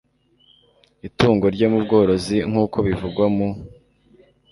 itungo rye mu bworozi nk uko bivugwa mu